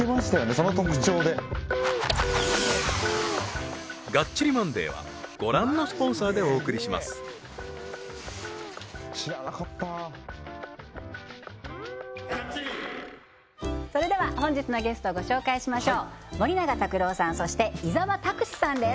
その特徴でそれでは本日のゲストご紹介しましょう森永卓郎さんそして伊沢拓司さんです